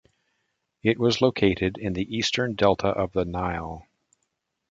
It was located in the eastern Delta of the Nile.